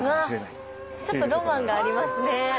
うわちょっとロマンがありますね。